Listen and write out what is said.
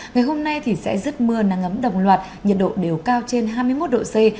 ngày hôm nay thì sẽ rứt mưa nắng ấm đồng loạt nhiệt độ đều cao trên hai mươi một độ c